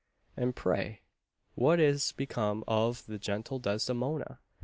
"And pray, what is become of the 'gentle Desdemona?'"